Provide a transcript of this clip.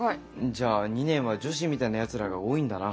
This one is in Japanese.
じゃあ２年は女子みたいなやつらが多いんだな。